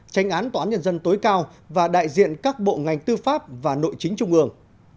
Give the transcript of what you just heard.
tránh án tòa án nhân dân tối cao và đại diện các bộ ngành tư pháp và nội chính trung ương